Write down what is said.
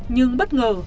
nhưng bất ngờ